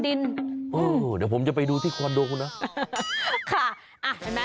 เดี๋ยวผมจะไปดูที่คอนโดโหนะ